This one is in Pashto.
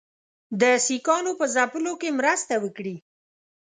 د سیکهانو په ځپلو کې مرسته وکړي.